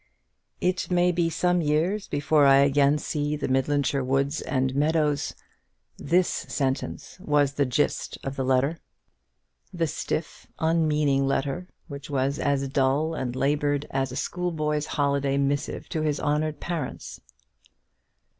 "_ "It may be some years before I again see the Midlandshire woods and meadows!" This sentence was the gist of the letter, the stiff unmeaning letter, which was as dull and laboured as a schoolboy's holiday missive to his honoured parents.